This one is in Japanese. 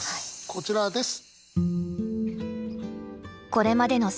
こちらです。